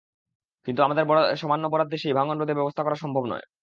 কিন্তু আমাদের সামান্য বরাদ্দে সেই ভাঙন রোধে ব্যবস্থা করা সম্ভব নয়।